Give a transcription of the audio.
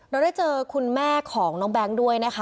เราได้เจอคุณแม่ของน้องแบงค์ด้วยนะคะ